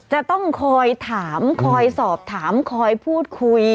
จะต้องคอยถามคอยสอบถามคอยพูดคุย